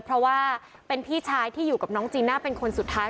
เพราะว่าเป็นพี่ชายที่อยู่กับน้องจีน่าเป็นคนสุดท้าย